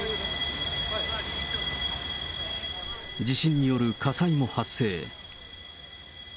地震による火災も発生。